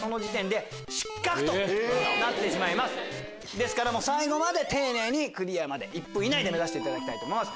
ですから最後まで丁寧にクリアまで１分以内目指していただきたいと思います。